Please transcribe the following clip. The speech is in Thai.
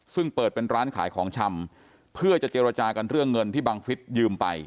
ซึ่งเปิดเป็นร้านขายของชำเพื่อจะเจรจากันเรื่องเงินที่บังฟิศยืมไป